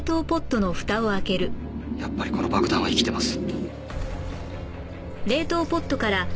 やっぱりこの爆弾は生きてます。